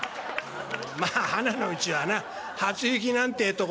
まあはなのうちはな『初雪』なんてえところが無難だ。